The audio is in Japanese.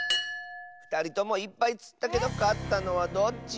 ふたりともいっぱいつったけどかったのはどっち？